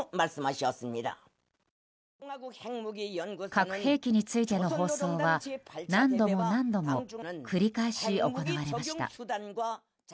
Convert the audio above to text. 核兵器についての放送は何度も何度も繰り返し行われました。